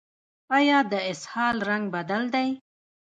ایا د اسهال رنګ بدل دی؟